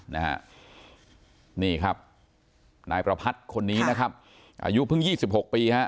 นี่ครับนายประพัทย์คนนี้นะครับอายุเพิ่ง๒๖ปีครับ